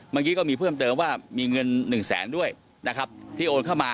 เมื่อกี้ก็มีเพิ่มเติมว่ามีเงิน๑แสนด้วยนะครับที่โอนเข้ามา